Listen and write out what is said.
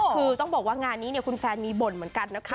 คือต้องบอกว่างานนี้คุณแฟนมีบ่นเหมือนกันนะคะ